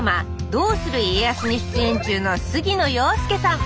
「どうする家康」に出演中の杉野遥亮さん